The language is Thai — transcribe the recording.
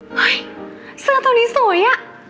เฮ้ยเสื้อตัวนี้สวยอะ